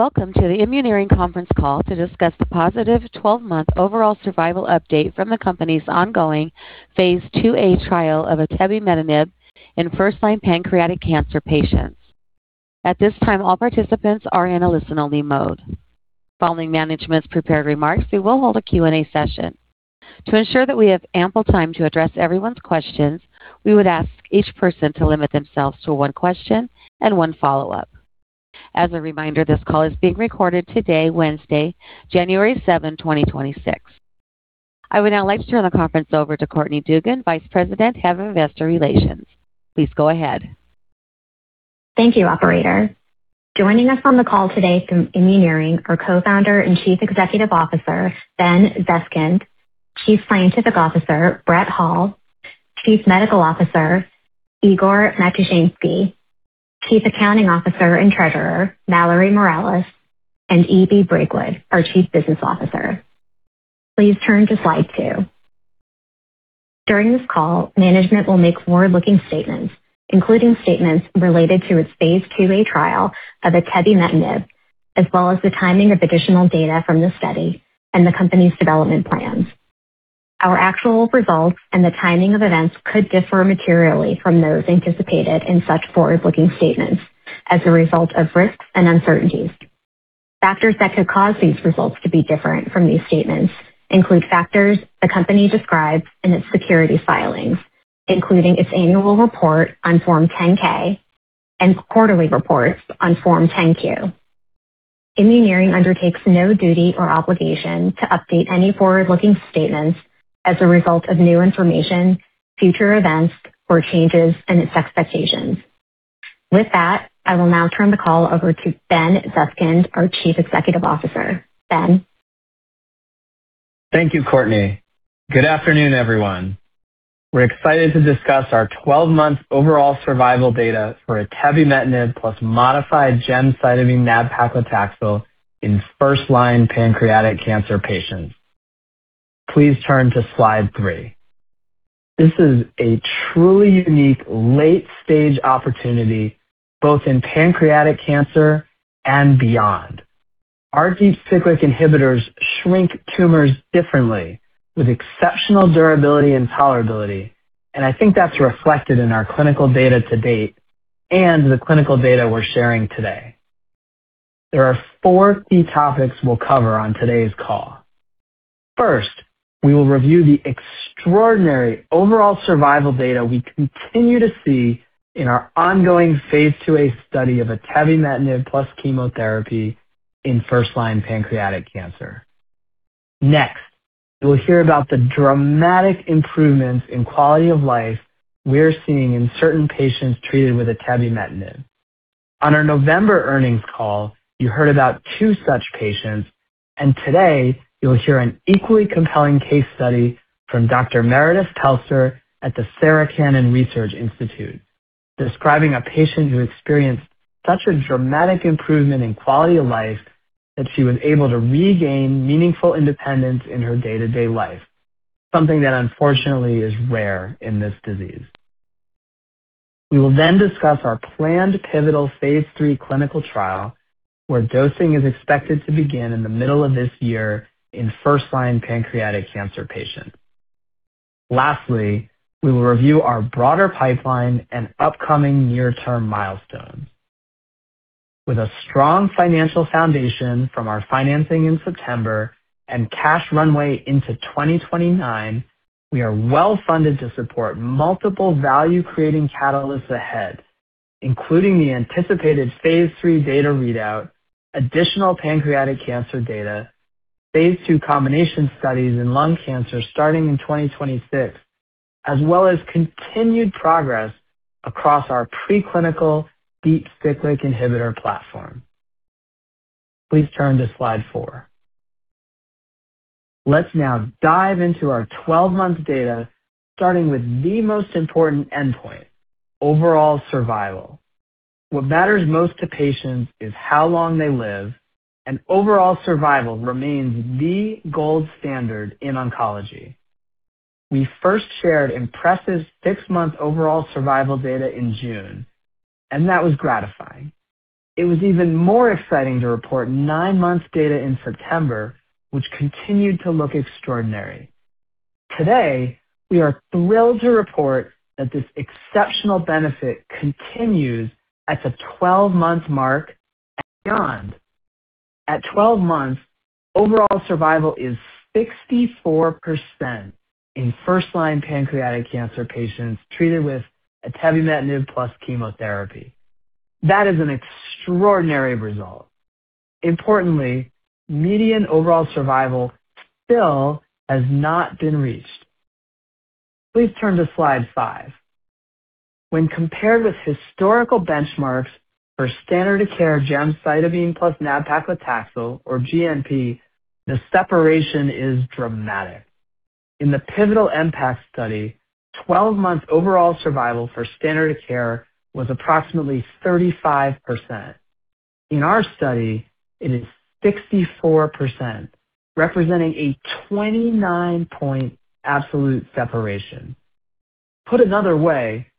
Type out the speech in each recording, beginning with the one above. Welcome to the Immuneering Conference call to discuss the positive 12-month overall survival update from the company's ongoing Phase 2A trial of atebumetanib in first-line pancreatic cancer patients. At this time, all participants are in a listen-only mode. Following management's prepared remarks, we will hold a Q&A session. To ensure that we have ample time to address everyone's questions, we would ask each person to limit themselves to one question and one follow-up. As a reminder, this call is being recorded today, Wednesday, January 7, 2026. I would now like to turn the conference over to Courtney Dugan, Vice President, Head of Investor Relations. Please go ahead. Thank you, Operator. Joining us on the call today from Immuneering are Co-Founder and Chief Executive Officer Benjamin Zeskind, Chief Scientific Officer Brett Hall, Chief Medical Officer Igor Matushansky, Chief Accounting Officer and Treasurer Mallory Morales, and E.B. Braigwood, our Chief Business Officer. Please turn to Slide 2. During this call, management will make forward-looking statements, including statements related to its Phase 2A trial of atebumetanib, as well as the timing of additional data from the study and the company's development plans. Our actual results and the timing of events could differ materially from those anticipated in such forward-looking statements as a result of risks and uncertainties. Factors that could cause these results to be different from these statements include factors the company describes in its securities filings, including its annual report on Form 10-K and quarterly reports on Form 10-Q. Immuneering undertakes no duty or obligation to update any forward-looking statements as a result of new information, future events, or changes in its expectations. With that, I will now turn the call over to Benjamin Zeskind, our Chief Executive Officer. Ben. Thank you, Courtney. Good afternoon, everyone. We're excited to discuss our 12-month overall survival data for atebumetanib plus modified gemcitabine nab-paclitaxel in first-line pancreatic cancer patients. Please turn to Slide 3. This is a truly unique late-stage opportunity both in pancreatic cancer and beyond. Our deep cyclic inhibitors shrink tumors differently with exceptional durability and tolerability, and I think that's reflected in our clinical data to date and the clinical data we're sharing today. There are four key topics we'll cover on today's call. First, we will review the extraordinary overall survival data we continue to see in our ongoing Phase 2A study of atebumetanib plus chemotherapy in first-line pancreatic cancer. Next, you will hear about the dramatic improvements in quality of life we're seeing in certain patients treated with atebumetanib. On our November earnings call, you heard about two such patients, and today you'll hear an equally compelling case study from Dr. Meredith Pelster at the Sarah Cannon Research Institute, describing a patient who experienced such a dramatic improvement in quality of life that she was able to regain meaningful independence in her day-to-day life, something that unfortunately is rare in this disease. We will then discuss our planned pivotal Phase 3 clinical trial, where dosing is expected to begin in the middle of this year in first-line pancreatic cancer patients. Lastly, we will review our broader pipeline and upcoming near-term milestones. With a strong financial foundation from our financing in September and cash runway into 2029, we are well-funded to support multiple value-creating catalysts ahead, including the anticipated Phase 3 data readout, additional pancreatic cancer data, Phase 2 combination studies in lung cancer starting in 2026, as well as continued progress across our preclinical deep cyclic inhibitor platform. Please turn to Slide 4. Let's now dive into our 12-month data, starting with the most important endpoint: overall survival. What matters most to patients is how long they live, and overall survival remains the gold standard in oncology. We first shared impressive six-month overall survival data in June, and that was gratifying. It was even more exciting to report nine months' data in September, which continued to look extraordinary. Today, we are thrilled to report that this exceptional benefit continues at the 12-month mark and beyond. At 12 months, overall survival is 64% in first-line pancreatic cancer patients treated with atebumetanib plus chemotherapy. That is an extraordinary result. Importantly, median overall survival still has not been reached. Please turn to Slide 5. When compared with historical benchmarks for standard of care gemcitabine plus nab-paclitaxel, or GNP, the separation is dramatic. In the pivotal MPACT study, 12-month overall survival for standard of care was approximately 35%. In our study, it is 64%, representing a 29-point absolute separation. Put another way,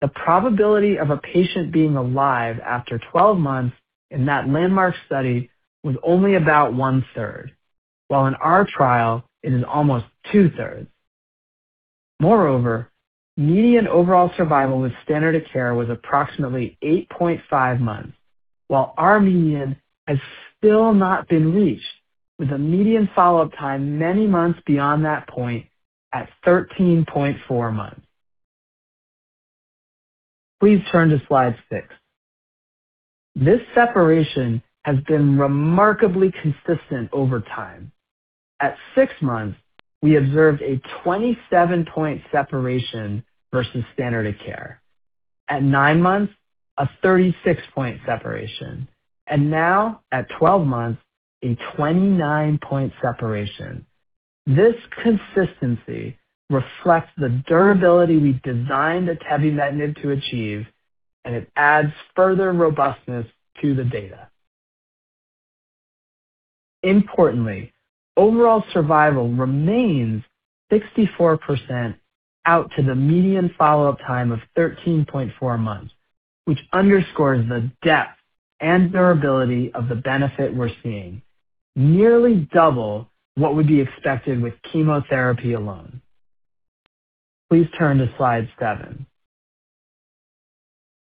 the probability of a patient being alive after 12 months in that landmark study was only about one-third, while in our trial, it is almost two-thirds. Moreover, median overall survival with standard of care was approximately 8.5 months, while our median has still not been reached, with a median follow-up time many months beyond that point at 13.4 months. Please turn to Slide 6. This separation has been remarkably consistent over time. At six months, we observed a 27-point separation versus standard of care. At nine months, a 36-point separation, and now at 12 months, a 29-point separation. This consistency reflects the durability we designed atebumetanib to achieve, and it adds further robustness to the data. Importantly, overall survival remains 64% out to the median follow-up time of 13.4 months, which underscores the depth and durability of the benefit we're seeing, nearly double what would be expected with chemotherapy alone. Please turn to Slide 7.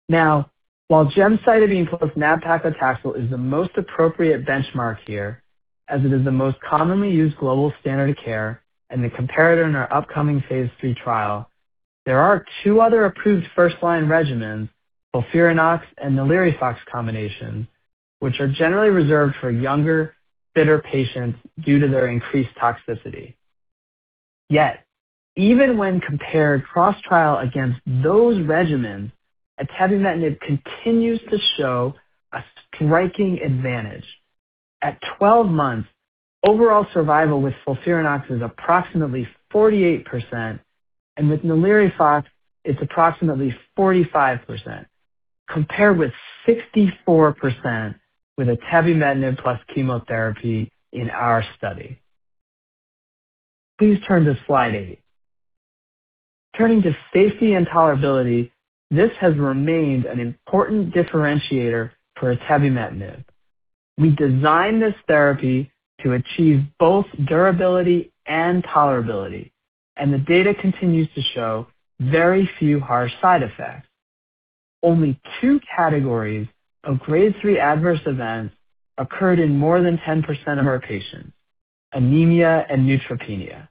Now, while gemcitabine plus nab-paclitaxel is the most appropriate benchmark here, as it is the most commonly used global standard of care and the comparator in our upcoming Phase 3 trial, there are two other approved first-line regimens, FOLFIRINOX and NALIRIFOX combinations, which are generally reserved for younger, fitter patients due to their increased toxicity. Yet, even when compared cross-trial against those regimens, atebumetanib continues to show a striking advantage. At 12 months, overall survival with FOLFIRINOX is approximately 48%, and with NALIRIFOX, it's approximately 45%, compared with 64% with atebumetanib plus chemotherapy in our study. Please turn to Slide 8. Turning to safety and tolerability, this has remained an important differentiator for atebumetanib. We designed this therapy to achieve both durability and tolerability, and the data continues to show very few harsh side effects. Only two categories of Grade 3 adverse events occurred in more than 10% of our patients: anemia and neutropenia.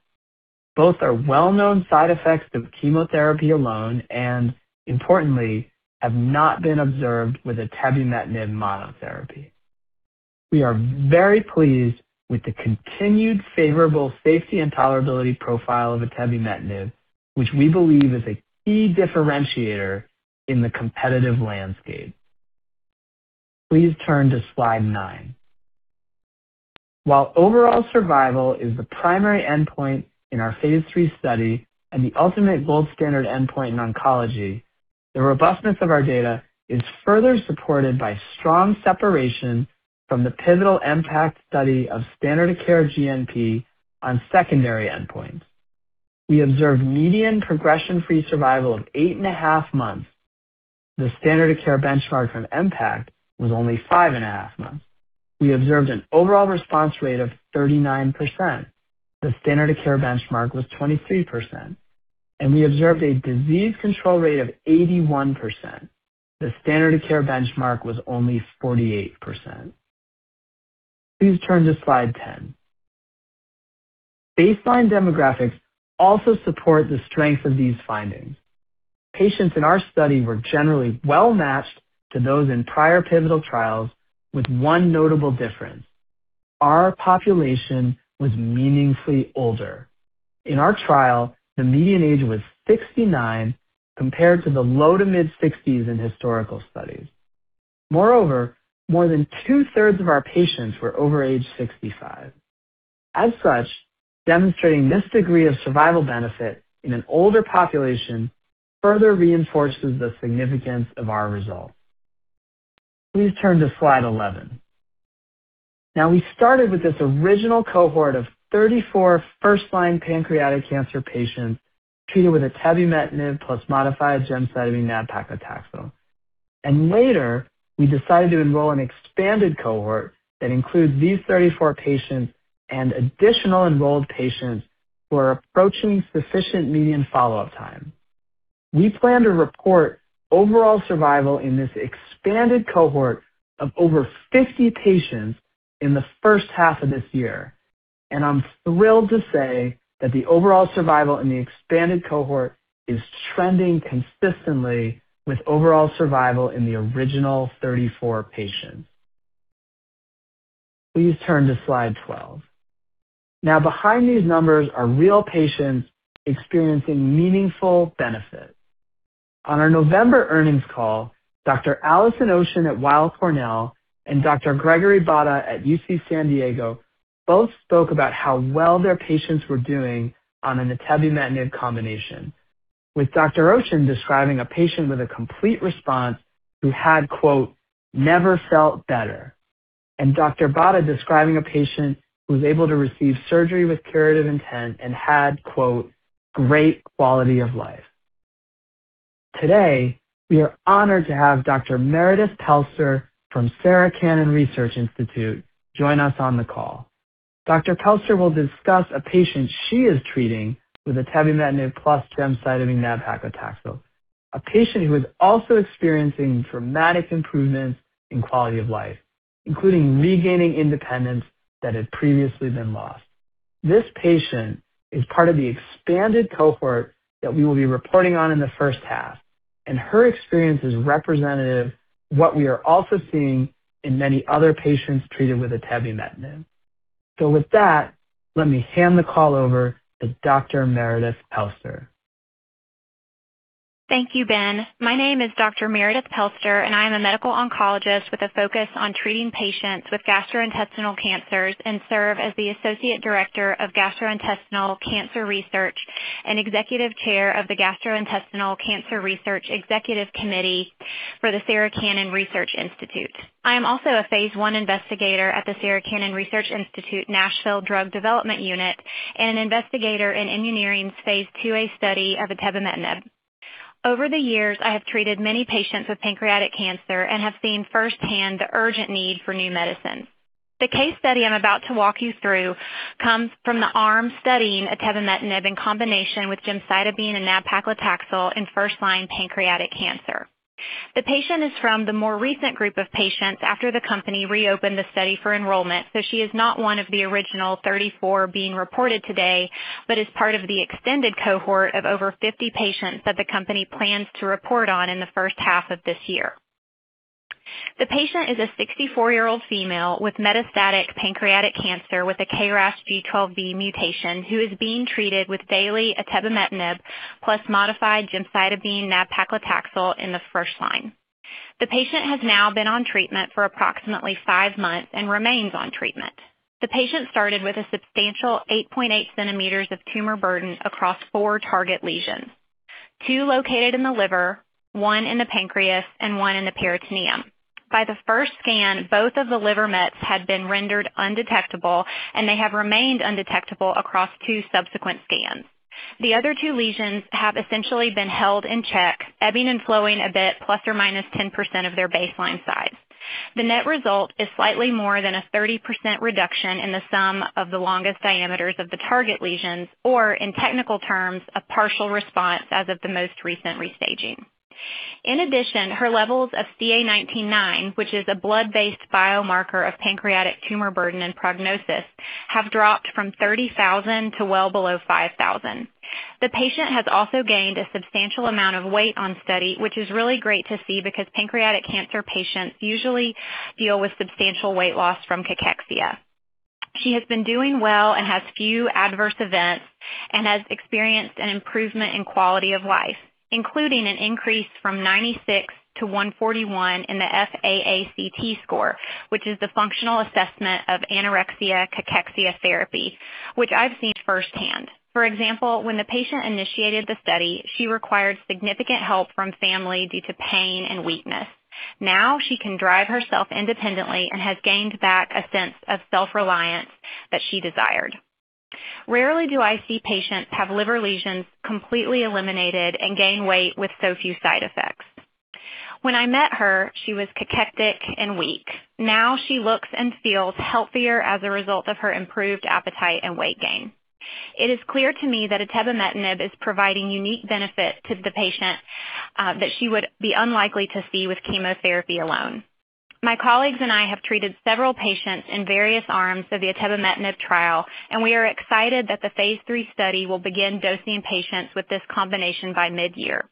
Both are well-known side effects of chemotherapy alone and, importantly, have not been observed with atebumetanib monotherapy. We are very pleased with the continued favorable safety and tolerability profile of atebumetanib, which we believe is a key differentiator in the competitive landscape. Please turn to Slide 9. While overall survival is the primary endpoint in our Phase 3 study and the ultimate gold standard endpoint in oncology, the robustness of our data is further supported by strong separation from the pivotal MPACT study of standard of care GNP on secondary endpoints. We observed median progression-free survival of eight and a half months. The standard of care benchmark from MPACT was only five and a half months. We observed an overall response rate of 39%. The standard of care benchmark was 23%, and we observed a disease control rate of 81%. The standard of care benchmark was only 48%. Please turn to Slide 10. Baseline demographics also support the strength of these findings. Patients in our study were generally well-matched to those in prior pivotal trials with one notable difference: our population was meaningfully older. In our trial, the median age was 69 compared to the low to mid-60s in historical studies. Moreover, more than two-thirds of our patients were over age 65. As such, demonstrating this degree of survival benefit in an older population further reinforces the significance of our results. Please turn to Slide 11. Now, we started with this original cohort of 34 first-line pancreatic cancer patients treated with atebumetanib plus modified gemcitabine nab-paclitaxel. And later, we decided to enroll an expanded cohort that includes these 34 patients and additional enrolled patients who are approaching sufficient median follow-up time. We plan to report overall survival in this expanded cohort of over 50 patients in the first half of this year. And I'm thrilled to say that the overall survival in the expanded cohort is trending consistently with overall survival in the original 34 patients. Please turn to Slide 12. Now, behind these numbers are real patients experiencing meaningful benefit. On our November earnings call, Dr. Allyson Ocean at Weill Cornell and Dr. Gregory Botta at UC San Diego both spoke about how well their patients were doing on an atebumetanib combination, with Dr. Ocean describing a patient with a complete response who had, quote, "never felt better," and Dr. Botta describing a patient who was able to receive surgery with curative intent and had, "great quality of life." Today, we are honored to have Dr. Meredith Pelster from Sarah Cannon Research Institute join us on the call. Dr. Pelster will discuss a patient she is treating with atebumetanib plus gemcitabine nab-paclitaxel, a patient who is also experiencing dramatic improvements in quality of life, including regaining independence that had previously been lost. This patient is part of the expanded cohort that we will be reporting on in the first half, and her experience is representative of what we are also seeing in many other patients treated with atebumetanib. So with that, let me hand the call over to Dr. Meredith Pelster. Thank you, Ben. My name is Dr. Meredith Pelster, and I am a medical oncologist with a focus on treating patients with gastrointestinal cancers and serve as the associate director of gastrointestinal cancer research and executive chair of the Gastrointestinal Cancer Research Executive Committee for the Sarah Cannon Research Institute. I am also a Phase 1 investigator at the Sarah Cannon Research Institute Nashville Drug Development Unit and an investigator in Immuneering's Phase 2A study of atebumetanib. Over the years, I have treated many patients with pancreatic cancer and have seen firsthand the urgent need for new medicines. The case study I'm about to walk you through comes from the arm studying atebumetanib in combination with gemcitabine and nab-paclitaxel in first-line pancreatic cancer. The patient is from the more recent group of patients after the company reopened the study for enrollment, so she is not one of the original 34 being reported today, but is part of the extended cohort of over 50 patients that the company plans to report on in the first half of this year. The patient is a 64-year-old female with metastatic pancreatic cancer with a KRAS G12V mutation who is being treated with daily atebumetanib plus modified gemcitabine nab-paclitaxel in the first line. The patient has now been on treatment for approximately five months and remains on treatment. The patient started with a substantial 8.8 centimeters of tumor burden across four target lesions: two located in the liver, one in the pancreas, and one in the peritoneum. By the first scan, both of the liver mets had been rendered undetectable, and they have remained undetectable across two subsequent scans. The other two lesions have essentially been held in check, ebbing and flowing a bit plus or minus 10% of their baseline size. The net result is slightly more than a 30% reduction in the sum of the longest diameters of the target lesions, or in technical terms, a partial response as of the most recent restaging. In addition, her levels of CA19-9, which is a blood-based biomarker of pancreatic tumor burden and prognosis, have dropped from 30,000 to well below 5,000. The patient has also gained a substantial amount of weight on study, which is really great to see because pancreatic cancer patients usually deal with substantial weight loss from cachexia. She has been doing well and has few adverse events and has experienced an improvement in quality of life, including an increase from 96 to 141 in the FAACT score, which is the functional assessment of anorexia cachexia therapy, which I've seen firsthand. For example, when the patient initiated the study, she required significant help from family due to pain and weakness. Now she can drive herself independently and has gained back a sense of self-reliance that she desired. Rarely do I see patients have liver lesions completely eliminated and gain weight with so few side effects. When I met her, she was cachectic and weak. Now she looks and feels healthier as a result of her improved appetite and weight gain. It is clear to me that atebumetanib is providing unique benefit to the patient that she would be unlikely to see with chemotherapy alone. My colleagues and I have treated several patients in various arms of the atebumetanib trial, and we are excited that the Phase 3 study will begin dosing patients with this combination by mid-year.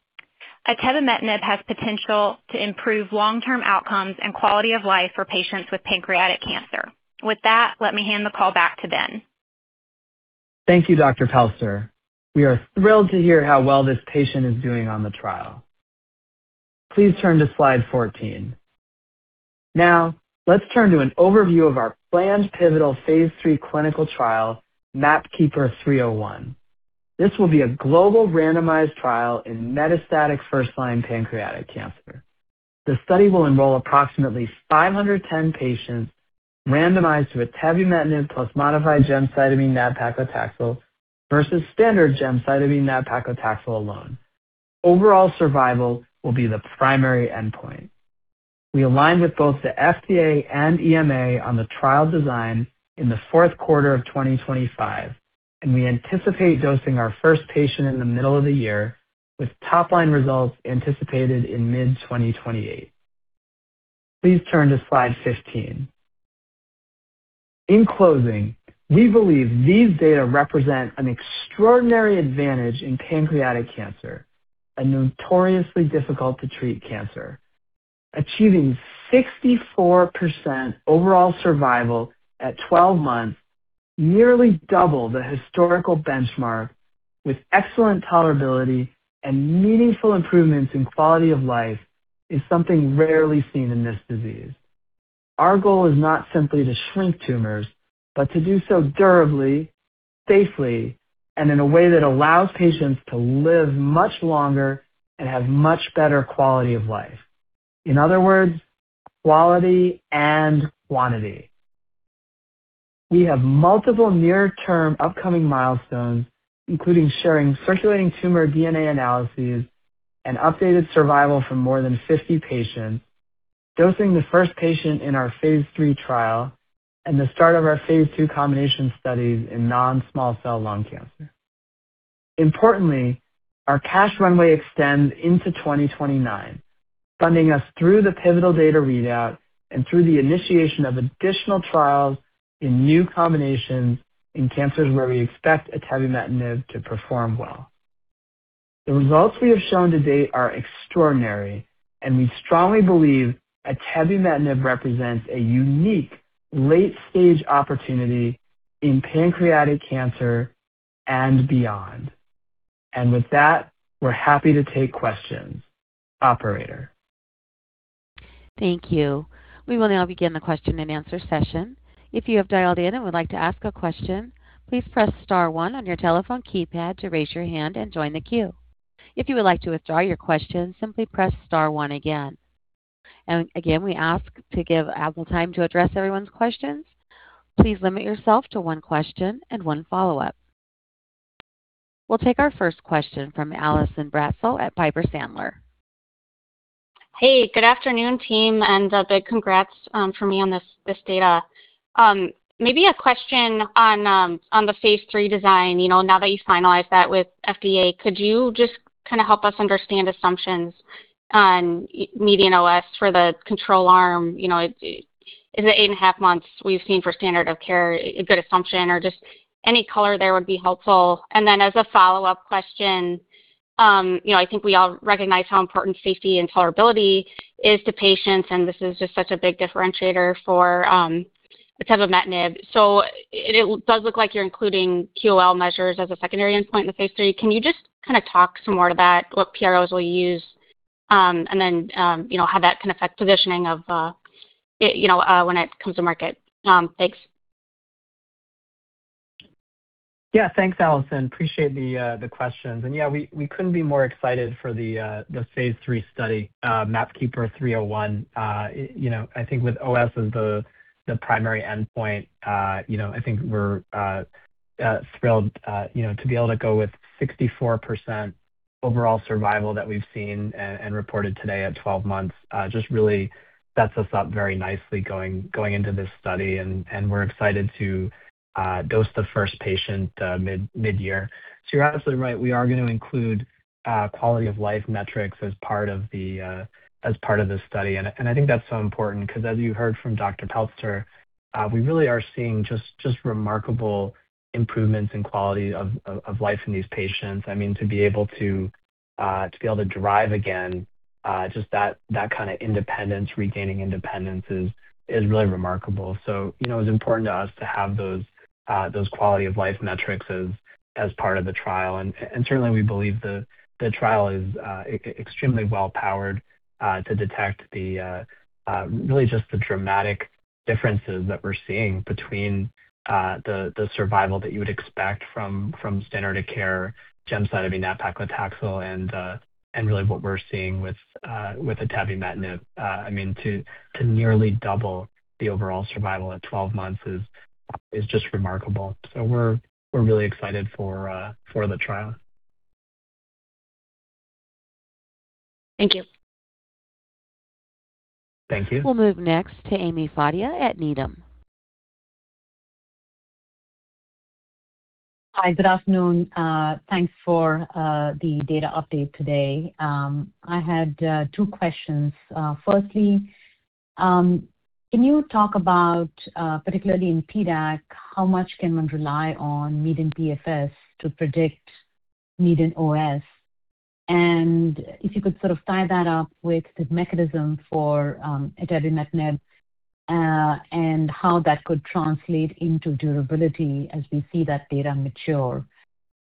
Atebumetanib has potential to improve long-term outcomes and quality of life for patients with pancreatic cancer. With that, let me hand the call back to Ben. Thank you, Dr. Pelster. We are thrilled to hear how well this patient is doing on the trial. Please turn to Slide 14. Now, let's turn to an overview of our planned pivotal Phase 3 clinical trial, MapKeeper 301. This will be a global randomized trial in metastatic first-line pancreatic cancer. The study will enroll approximately 510 patients randomized to atebumetanib plus modified gemcitabine nab-paclitaxel versus standard gemcitabine nab-paclitaxel alone. Overall survival will be the primary endpoint. We aligned with both the FDA and EMA on the trial design in the fourth quarter of 2025, and we anticipate dosing our first patient in the middle of the year with top-line results anticipated in mid-2028. Please turn to Slide 15. In closing, we believe these data represent an extraordinary advantage in pancreatic cancer, a notoriously difficult-to-treat cancer. Achieving 64% overall survival at 12 months, nearly double the historical benchmark, with excellent tolerability and meaningful improvements in quality of life, is something rarely seen in this disease. Our goal is not simply to shrink tumors, but to do so durably, safely, and in a way that allows patients to live much longer and have much better quality of life. In other words, quality and quantity. We have multiple near-term upcoming milestones, including sharing circulating tumor DNA analyses and updated survival from more than 50 patients, dosing the first patient in our Phase 3 trial, and the start of our Phase 2 combination studies in non-small cell lung cancer. Importantly, our cash runway extends into 2029, funding us through the pivotal data readout and through the initiation of additional trials in new combinations in cancers where we expect atebumetanib to perform well. The results we have shown to date are extraordinary, and we strongly believe atebumetanib represents a unique late-stage opportunity in pancreatic cancer and beyond. And with that, we're happy to take questions, Operator. Thank you. We will now begin the question and answer session. If you have dialed in and would like to ask a question, please press star one on your telephone keypad to raise your hand and join the queue. If you would like to withdraw your question, simply press star one again. And again, we ask to give ample time to address everyone's questions. Please limit yourself to one question and one follow-up. We'll take our first question from Ally Bratzel at Piper Sandler. Hey, good afternoon, team, and a big congrats from me on this data. Maybe a question on the Phase 3 design. Now that you finalized that with FDA, could you just kind of help us understand assumptions on median OS for the control arm? Is the eight and a half months we've seen for standard of care a good assumption? Or just any color there would be helpful. And then as a follow-up question, I think we all recognize how important safety and tolerability is to patients, and this is just such a big differentiator for atebumetanib. So it does look like you're including QOL measures as a secondary endpoint in the Phase 3. Can you just kind of talk some more to that, what PROs will you use, and then how that can affect positioning of when it comes to market? Thanks. Yeah, thanks, Allyson. Appreciate the questions, and yeah, we couldn't be more excited for the Phase 3 study, MapKeeper 301. I think with OS as the primary endpoint, I think we're thrilled to be able to go with 64% overall survival that we've seen and reported today at 12 months. Just really sets us up very nicely going into this study, and we're excited to dose the first patient mid-year, so you're absolutely right. We are going to include quality of life metrics as part of the study, and I think that's so important because, as you heard from Dr. Pelster, we really are seeing just remarkable improvements in quality of life in these patients. I mean, to be able to drive again, just that kind of independence, regaining independence, is really remarkable. It was important to us to have those quality of life metrics as part of the trial. And certainly, we believe the trial is extremely well-powered to detect really just the dramatic differences that we're seeing between the survival that you would expect from standard of care gemcitabine nab-paclitaxel and really what we're seeing with atebumetanib. I mean, to nearly double the overall survival at 12 months is just remarkable. We're really excited for the trial. Thank you. Thank you. We'll move next to Ami Fadia at Needham. Hi, good afternoon. Thanks for the data update today. I had two questions. Firstly, can you talk about, particularly in PDAC, how much can one rely on median PFS to predict median OS? And if you could sort of tie that up with the mechanism for atebumetanib and how that could translate into durability as we see that data mature.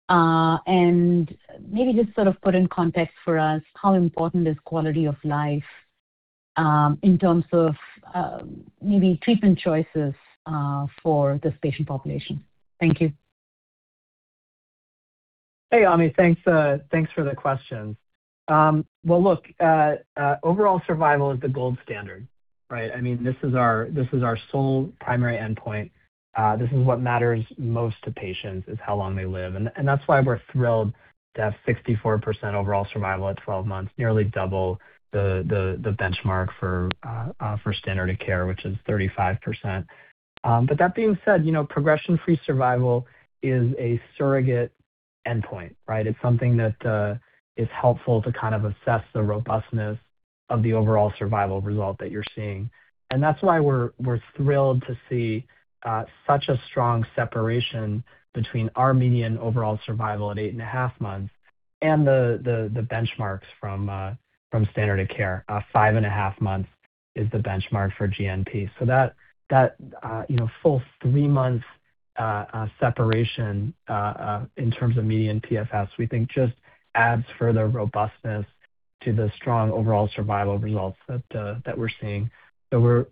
And maybe just sort of put in context for us, how important is quality of life in terms of maybe treatment choices for this patient population? Thank you. Hey, Amy, thanks for the question. Well, look, overall survival is the gold standard, right? I mean, this is our sole primary endpoint. This is what matters most to patients, is how long they live. And that's why we're thrilled to have 64% overall survival at 12 months, nearly double the benchmark for standard of care, which is 35%. But that being said, progression-free survival is a surrogate endpoint, right? It's something that is helpful to kind of assess the robustness of the overall survival result that you're seeing. And that's why we're thrilled to see such a strong separation between our median overall survival at eight and a half months and the benchmarks from standard of care. Five and a half months is the benchmark for GNP. So that full three months separation in terms of median PFS, we think, just adds further robustness to the strong overall survival results that we're seeing. So we're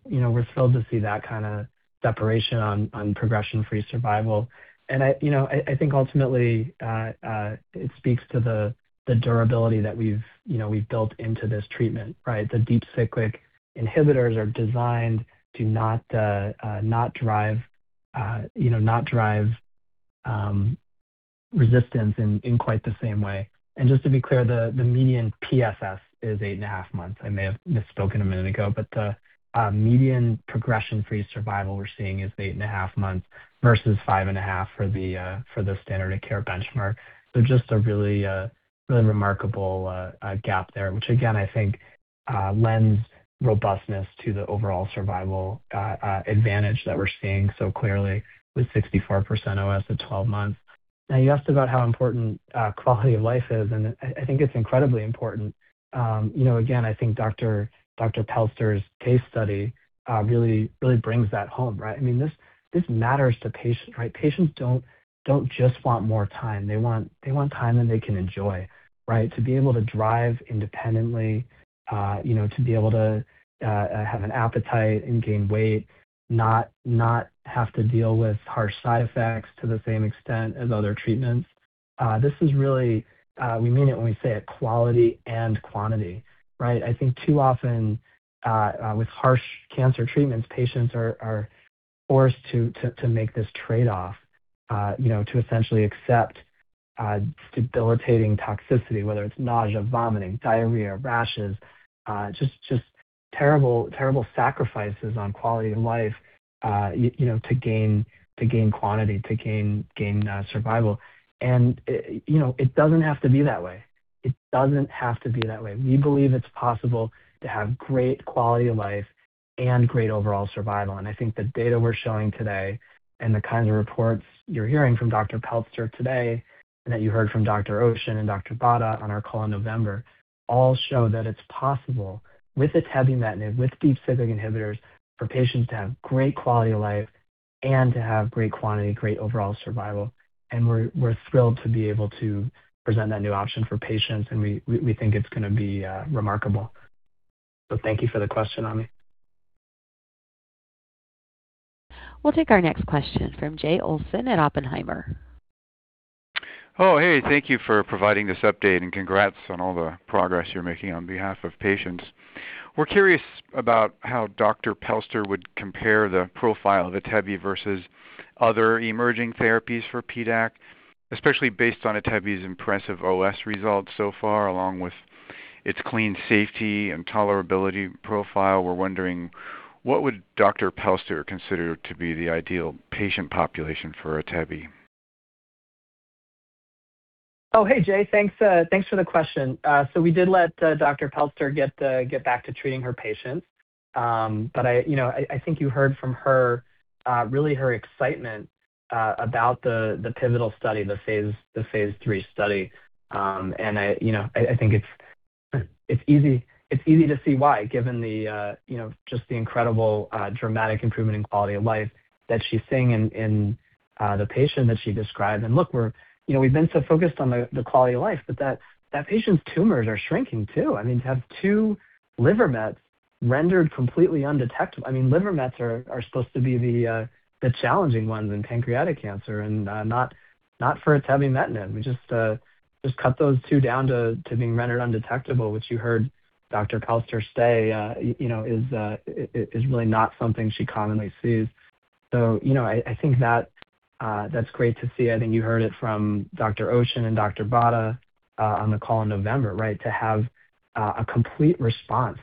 thrilled to see that kind of separation on progression-free survival. And I think ultimately, it speaks to the durability that we've built into this treatment, right? The deep cyclic inhibitors are designed to not drive resistance in quite the same way. And just to be clear, the median PFS is eight and a half months. I may have misspoken a minute ago, but the median progression-free survival we're seeing is eight and a half months versus five and a half for the standard of care benchmark. So just a really remarkable gap there, which, again, I think lends robustness to the overall survival advantage that we're seeing so clearly with 64% OS at 12 months. Now, you asked about how important quality of life is, and I think it's incredibly important. Again, I think Dr. Pelster's case study really brings that home, right? I mean, this matters to patients, right? Patients don't just want more time. They want time that they can enjoy, right? To be able to drive independently, to be able to have an appetite and gain weight, not have to deal with harsh side effects to the same extent as other treatments. This is really, we mean it when we say it, quality and quantity, right? I think too often, with harsh cancer treatments, patients are forced to make this trade-off to essentially accept debilitating toxicity, whether it's nausea, vomiting, diarrhea, rashes, just terrible sacrifices on quality of life to gain quantity, to gain survival. And it doesn't have to be that way. It doesn't have to be that way. We believe it's possible to have great quality of life and great overall survival. And I think the data we're showing today and the kinds of reports you're hearing from Dr. Pelster today and that you heard from Dr. Ocean and Dr. Botta on our call in November all show that it's possible, with atebumetanib, with deep cyclic inhibitors, for patients to have great quality of life and to have great quantity, great overall survival. And we're thrilled to be able to present that new option for patients, and we think it's going to be remarkable. So thank you for the question, Amy. We'll take our next question from Jay Olson at Oppenheimer. Oh, hey, thank you for providing this update and congrats on all the progress you're making on behalf of patients. We're curious about how Dr. Pelster would compare the profile of atebumetanib versus other emerging therapies for PDAC, especially based on atebumetanib's impressive OS results so far, along with its clean safety and tolerability profile. We're wondering, what would Dr. Pelster consider to be the ideal patient population for atebumetanib? Oh, hey, Jay, thanks for the question. So we did let Dr. Pelster get back to treating her patients, but I think you heard from her, really her excitement about the pivotal study, the Phase 3 study. And I think it's easy to see why, given just the incredible dramatic improvement in quality of life that she's seeing in the patient that she described. And look, we've been so focused on the quality of life, but that patient's tumors are shrinking too. I mean, to have two liver mets rendered completely undetectable, I mean, liver mets are supposed to be the challenging ones in pancreatic cancer and not for atebumetanib. We just cut those two down to being rendered undetectable, which you heard Dr. Pelster say is really not something she commonly sees. So I think that's great to see. I think you heard it from Dr. Ocean and Dr. Bharat on the call in November, right? To have a complete response,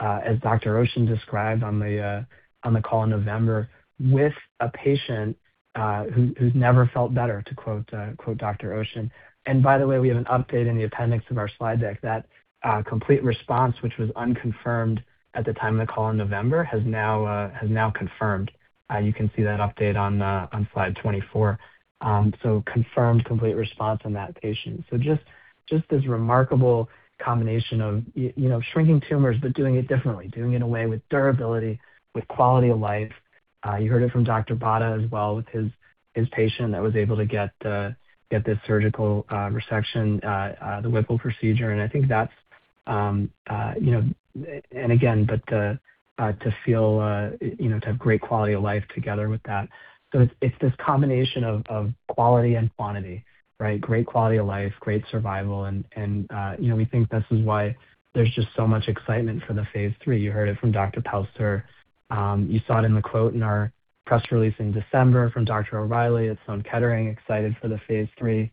as Dr. Ocean described on the call in November, with a patient who's never felt better, to quote Dr. Ocean. And by the way, we have an update in the appendix of our slide deck that complete response, which was unconfirmed at the time of the call in November, has now confirmed. You can see that update on Slide 24. So confirmed complete response on that patient. So just this remarkable combination of shrinking tumors, but doing it differently, doing it in a way with durability, with quality of life. You heard it from Dr. Botta as well with his patient that was able to get this surgical resection, the Whipple procedure. And I think that's, and again, but to feel to have great quality of life together with that. So it's this combination of quality and quantity, right? Great quality of life, great survival. And we think this is why there's just so much excitement for the Phase 3. You heard it from Dr. Pelster. You saw it in the quote in our press release in December from Dr. O'Reilly. It's Memorial Sloan Kettering excited for the Phase 3.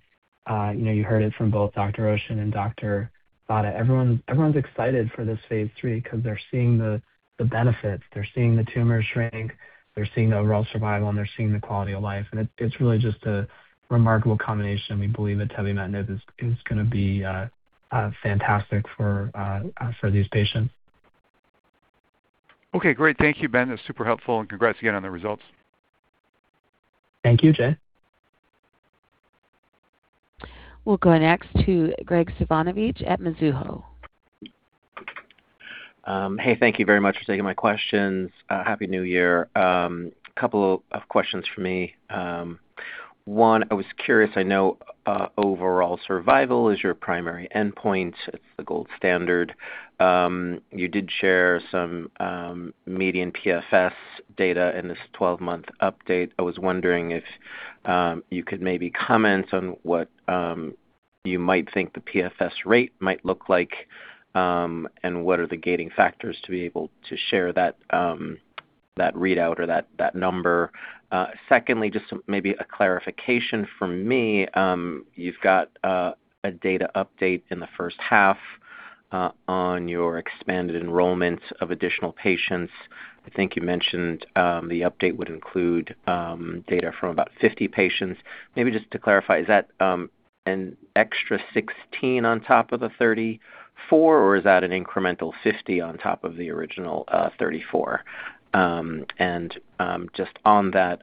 You heard it from both Dr. Ocean and Dr. Botta. Everyone's excited for this Phase 3 because they're seeing the benefits. They're seeing the tumors shrink. They're seeing the overall survival, and they're seeing the quality of life. And it's really just a remarkable combination. We believe atebumetanib is going to be fantastic for these patients. Okay, great. Thank you, Ben. That's super helpful, and congrats again on the results. Thank you, Jay. We'll go next to Graig Suvannavejh at Mizuho. Hey, thank you very much for taking my questions. Happy New Year. A couple of questions for me. One, I was curious. I know overall survival is your primary endpoint. It's the gold standard. You did share some median PFS data in this 12-month update. I was wondering if you could maybe comment on what you might think the PFS rate might look like and what are the gating factors to be able to share that readout or that number. Secondly, just maybe a clarification for me. You've got a data update in the first half on your expanded enrollment of additional patients. I think you mentioned the update would include data from about 50 patients. Maybe just to clarify, is that an extra 16 on top of the 34, or is that an incremental 50 on top of the original 34? Just on that,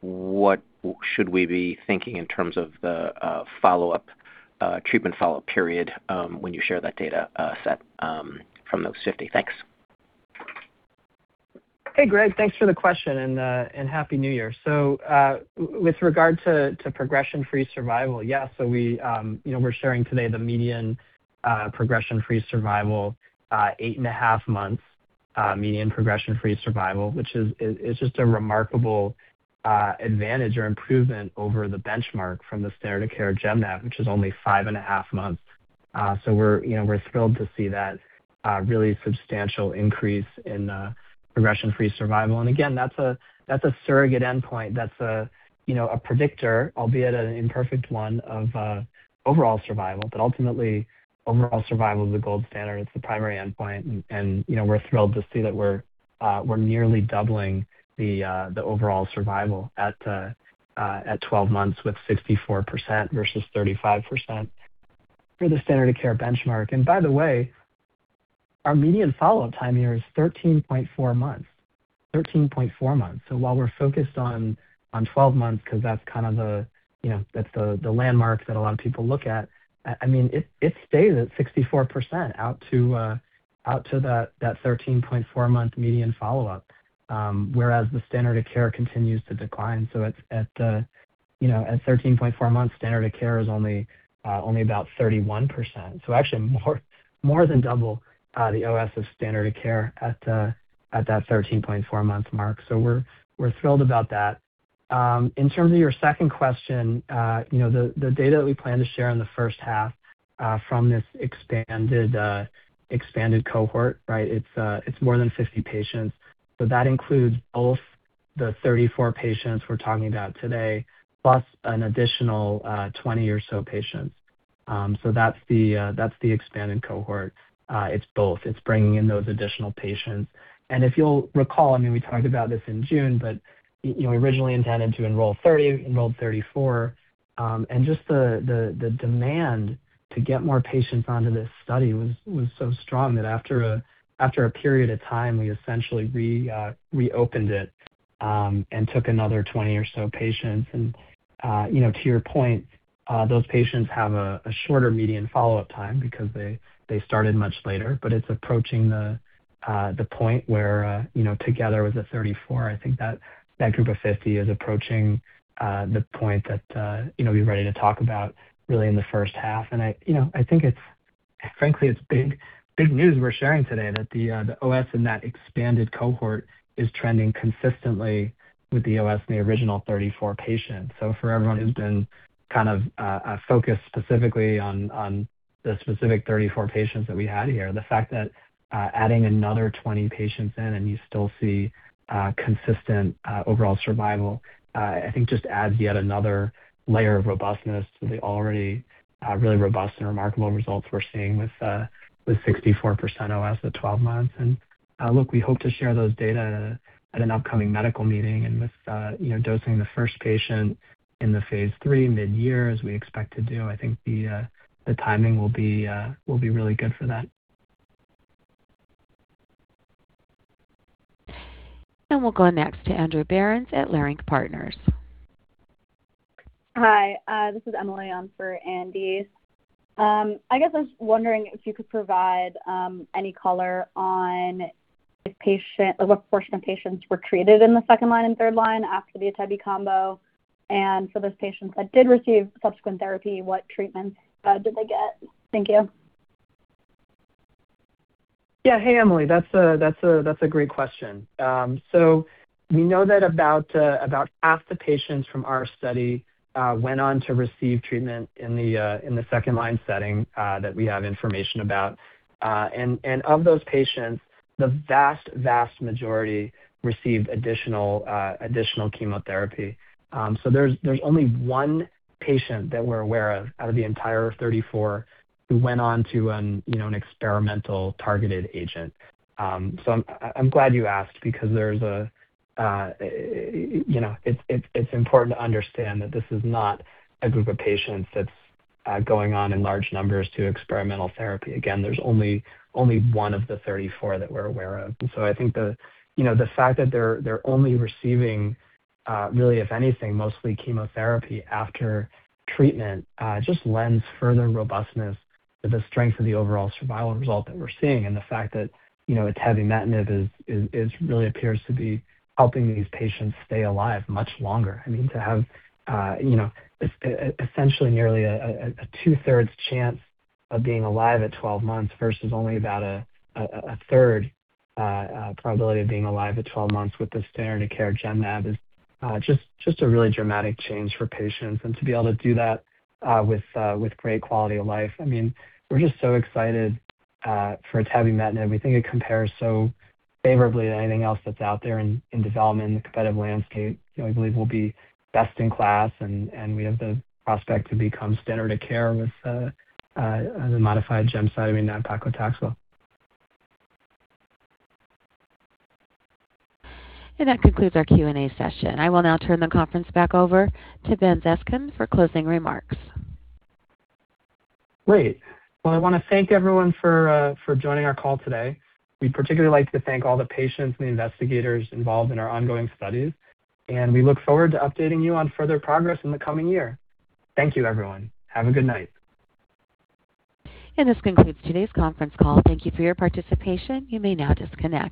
what should we be thinking in terms of the treatment follow-up period when you share that data set from those 50? Thanks. Hey, Greg, thanks for the question and happy New Year. So with regard to progression-free survival, yes. So we're sharing today the median progression-free survival, eight and a half months median progression-free survival, which is just a remarkable advantage or improvement over the benchmark from the standard of care gem-nab, which is only five and a half months. So we're thrilled to see that really substantial increase in progression-free survival. And again, that's a surrogate endpoint. That's a predictor, albeit an imperfect one, of overall survival. But ultimately, overall survival is the gold standard. It's the primary endpoint. And we're thrilled to see that we're nearly doubling the overall survival at 12 months with 64% versus 35% for the standard of care benchmark. And by the way, our median follow-up time here is 13.4 months. 13.4 months. While we're focused on 12 months because that's kind of the landmark that a lot of people look at, I mean, it stays at 64% out to that 13.4-month median follow-up, whereas the standard of care continues to decline. So at 13.4 months, standard of care is only about 31%. So actually, more than double the OS of standard of care at that 13.4-month mark. So we're thrilled about that. In terms of your second question, the data that we plan to share in the first half from this expanded cohort, right? It's more than 50 patients. So that includes both the 34 patients we're talking about today plus an additional 20 or so patients. So that's the expanded cohort. It's both. It's bringing in those additional patients. And if you'll recall, I mean, we talked about this in June, but we originally intended to enroll 30, enrolled 34. And just the demand to get more patients onto this study was so strong that after a period of time, we essentially reopened it and took another 20 or so patients. And to your point, those patients have a shorter median follow-up time because they started much later, but it's approaching the point where together with the 34, I think that group of 50 is approaching the point that we're ready to talk about really in the first half. And I think, frankly, it's big news we're sharing today that the OS in that expanded cohort is trending consistently with the OS in the original 34 patients. For everyone who's been kind of focused specifically on the specific 34 patients that we had here, the fact that adding another 20 patients in and you still see consistent overall survival, I think just adds yet another layer of robustness to the already really robust and remarkable results we're seeing with 64% OS at 12 months. Look, we hope to share those data at an upcoming medical meeting and with dosing the first patient in the Phase 3 mid-year, as we expect to do. I think the timing will be really good for that. We'll go next to Andrew Berens at Leerink Partners. Hi. This is Emily on for Andy. I guess I was wondering if you could provide any color on what portion of patients were treated in the second line and third line after the atebumetanib combo. And for those patients that did receive subsequent therapy, what treatments did they get? Thank you. Yeah. Hey, Emily. That's a great question. So we know that about half the patients from our study went on to receive treatment in the second line setting that we have information about. And of those patients, the vast, vast majority received additional chemotherapy. So there's only one patient that we're aware of out of the entire 34 who went on to an experimental targeted agent. So I'm glad you asked because it's important to understand that this is not a group of patients that's going on in large numbers to experimental therapy. Again, there's only one of the 34 that we're aware of. I think the fact that they're only receiving, really, if anything, mostly chemotherapy after treatment just lends further robustness to the strength of the overall survival result that we're seeing and the fact that atebumetanib really appears to be helping these patients stay alive much longer. I mean, to have essentially nearly a two-thirds chance of being alive at 12 months versus only about a third probability of being alive at 12 months with the standard of care Gem-Nab is just a really dramatic change for patients. To be able to do that with great quality of life, I mean, we're just so excited for atebumetanib. We think it compares so favorably to anything else that's out there in development in the competitive landscape. We believe we'll be best in class, and we have the prospect to become standard of care with the modified gemcitabine and paclitaxel. That concludes our Q&A session. I will now turn the conference back over to Ben Zeskind for closing remarks. Great. Well, I want to thank everyone for joining our call today. We'd particularly like to thank all the patients and the investigators involved in our ongoing studies, and we look forward to updating you on further progress in the coming year. Thank you, everyone. Have a good night. This concludes today's conference call. Thank you for your participation. You may now disconnect.